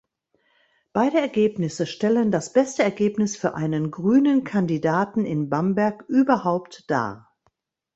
Beide Ergebnisse stellen das beste Ergebnis für einen grünen Kandidaten in Bamberg überhaupt dar.